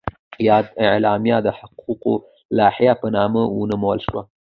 یاده اعلامیه د حقوقو لایحه په نامه ونومول شوه.